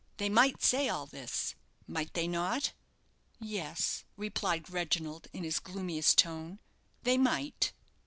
They might say all this, might they not?" "Yes," replied Reginald, in his gloomiest tone, "they might."